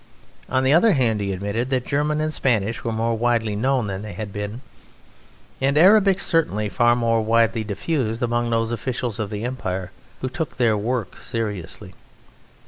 On the other hand, he admitted that German and Spanish were more widely known than they had been, and Arabic certainly far more widely diffused among those officials of the Empire who took their work seriously.